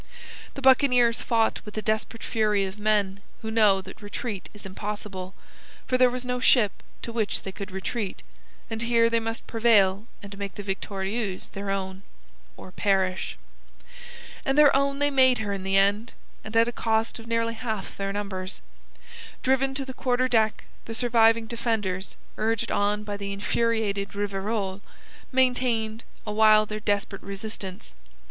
The buccaneers fought with the desperate fury of men who know that retreat is impossible, for there was no ship to which they could retreat, and here they must prevail and make the Victorieuse their own, or perish. And their own they made her in the end, and at a cost of nearly half their numbers. Driven to the quarter deck, the surviving defenders, urged on by the infuriated Rivarol, maintained awhile their desperate resistance.